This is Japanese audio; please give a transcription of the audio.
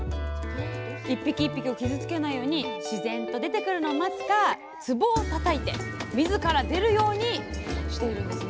一匹一匹を傷つけないように自然と出てくるのを待つかつぼをたたいて自ら出るようにしているんですね